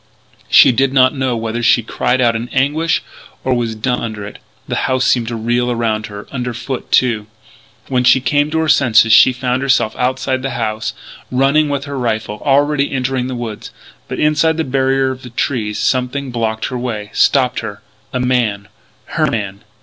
She did not know whether she cried out in anguish or was dumb under it. The house seemed to reel around her; under foot too. When she came to her senses she found herself outside the house, running with her rifle, already entering the woods. But, inside the barrier of trees, something blocked her way, stopped her, a man her man!